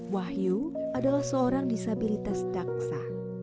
wahyu adalah seorang disabilitas daksa